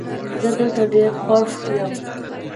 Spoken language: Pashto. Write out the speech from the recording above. زه دلته ډېر خوښ یم